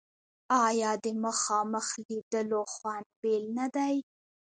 آیا د مخامخ لیدلو خوند بل نه دی؟